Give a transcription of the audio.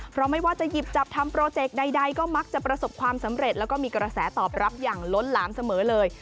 เพราะไม่ว่าจะหยิบจับทำโปรเจกต์ใดก็มักจะประสบความสำเร็จแล้วก็มีกระแสตอบรับอย่างล้นหลามเสมอเลย